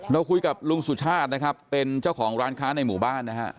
เราคุยกับลุงสุชาตินะครับเป็นเจ้าของร้านค้าในหมู่บ้านนะฮะ